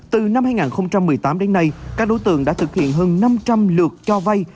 từ năm hai nghìn một mươi tám đến nay các đối tượng đã thực hiện hơn năm trăm linh lượt cho vay